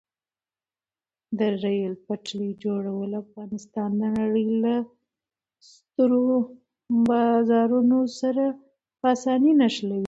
د ریل پټلۍ جوړول افغانستان د نړۍ له سترو بازارونو سره په اسانۍ نښلوي.